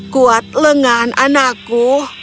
kuat lengan anakku